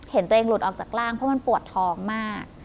เห็นตัวเองหลุดออกจากร่างเพราะมันปวดท้องมาก